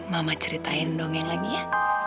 mama ceritain dong yang lagi ya